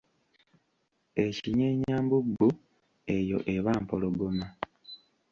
Ekinyeenyambubbu eyo eba mpologoma.